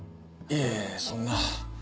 いえそんな。